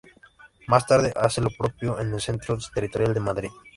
Más tarde hace lo propio en el Centro Territorial de Madrid.